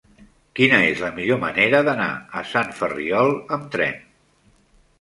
Quina és la millor manera d'anar a Sant Ferriol amb tren?